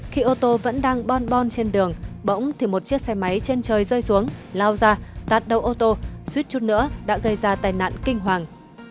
khi ô tô vẫn đang bon bon trên đường bỗng thì một chiếc xe máy trên trời rơi xuống lao ra tạt đầu ô tô suốt chút nữa đã gây ra tai nạn kinh hoàng